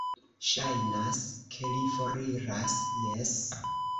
Ŝajnas, ke li foriras... jes.